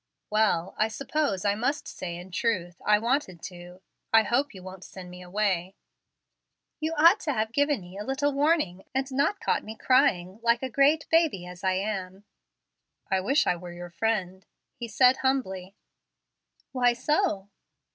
"Well, I suppose I must say in truth I wanted to. I hope you won't send me away." "You ought to have given me a little warning, and not caught me crying like a great baby as I am." "I wish I were your friend," he said humbly. "Why so?"